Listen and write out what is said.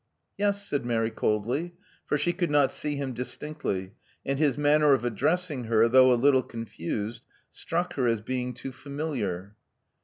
Yes," said Mary coldly; for she could not see him distinctly, and his manner of addressing her, though a little confused, struck her as being too familiar.